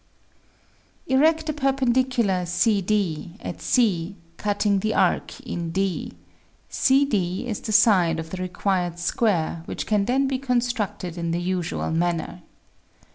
Erect a perpendicular CD, at C, cutting the arc in D ; CD is the side of the required square which can then be constructed in the usual manner.